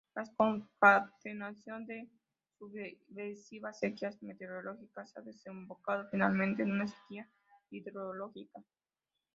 La concatenación de sucesivas sequías meteorológicas ha desembocado finalmente en una sequía hidrológica.